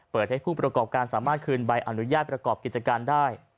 ให้ผู้ประกอบการสามารถคืนใบอนุญาตประกอบกิจการได้